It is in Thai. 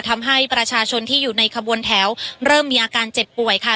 ทำให้ประชาชนที่อยู่ในขบวนแถวเริ่มมีอาการเจ็บป่วยค่ะ